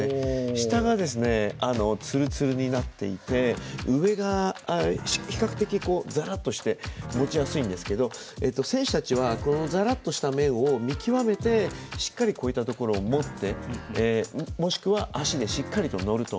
下がツルツルになっていて上が比較的ザラッとして持ちやすいんですけど選手たちはザラッとした面を見極めてしっかりこういったところを持ってもしくは、足でしっかりと乗ると。